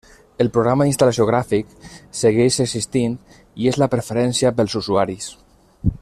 El programa d'instal·lació gràfic segueix existint i és la preferència pels usuaris.